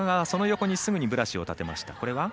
その隣にブラシを立てました。